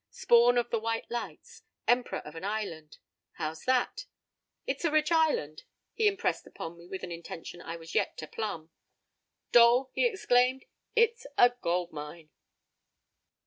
Spawn of the White Lights! Emperor of an island! How's that? "It's a rich island," he impressed upon me with an intention I was yet to plumb. "Dole," he exclaimed, "it's a gold mine!"